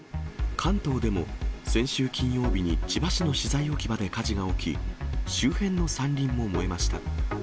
関東でも先週金曜日に千葉市の資材置き場で火事が起き、周辺の山林も燃えました。